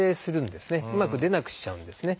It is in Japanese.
うまく出なくしちゃうんですね。